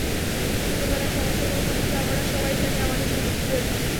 ছোটবেলার, সমস্যাগুলো সম্পর্কে আমরা সবাই জানি, আমাদের সমস্যা ছিল এটা।